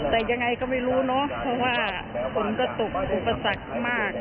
แต่ยังไงก็ไม่รู้เนอะเพราะว่าฝนก็ตกอุปสรรคมาก